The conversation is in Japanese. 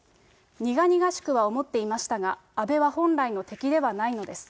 苦々しくは思っていましたが、安倍は本来の敵ではないのです。